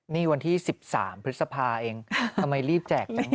นี่วันที่๑๓พฤษภาเองทำไมรีบแจก